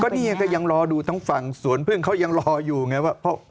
นี่ก็ยังรอดูทั้งฝั่งสวนพึ่งเขายังรออยู่ไงว่า